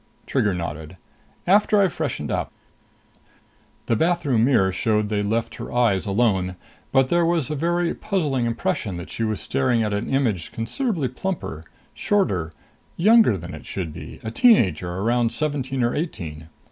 Trigger nodded. "After I've freshened up." The bathroom mirror showed they'd left her eyes alone. But there was a very puzzling impression that she was staring at an image considerably plumper, shorter, younger than it should be a teen ager around seventeen or eighteen.